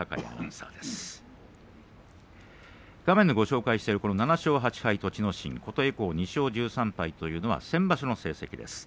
画面でご紹介している７勝８敗栃ノ心琴恵光２勝１３敗というのは先場所の成績です。